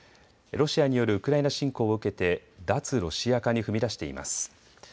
ロシアによるウクライナ侵攻を受けて脱ロシア化に踏み出しています。